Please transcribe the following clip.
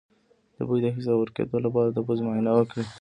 د بوی د حس د ورکیدو لپاره د پوزې معاینه وکړئ